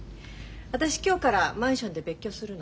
私今日からマンションで別居するの。